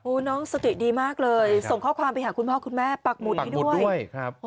โอ๊ยน้องสติดีมากเลยส่งข้อความไปหาคุณพ่อคุณแม่ปักหมดด้วย